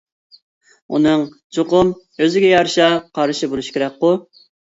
ئۇنىڭ چوقۇم ئۆزىگە يارىشا قارىشى بولۇشى كېرەكقۇ.